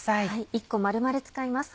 １個丸々使います。